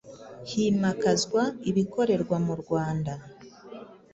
himakazwa ibikorerwa mu Rwanda